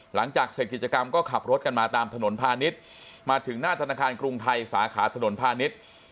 หลังจากเสร็จกิจกรรมก็ขับรถกันมาตามถนนพาณิชย์มาถึงหน้าธนาคารกรุงไทยสาขาถนนพาณิชย์